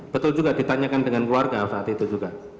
betul juga ditanyakan dengan keluarga saat itu juga